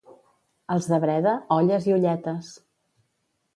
Els de Breda, olles i olletes.